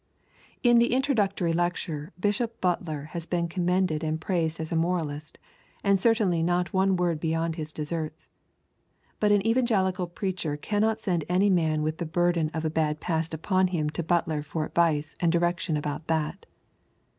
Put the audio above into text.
In the introductory lecture Bishop Butler has been commended and praised as a moralist, and certainly not one word beyond his deserts; but an evangelical preacher cannot send any man with the burden of a bad past upon him to Butler for advice and direction about that.